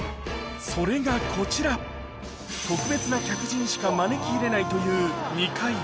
それがこちら特別な客人しか招き入れないという２階